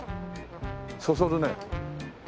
そそるね。